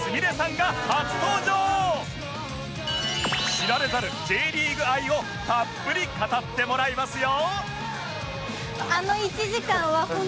知られざる Ｊ リーグ愛をたっぷり語ってもらいますよ！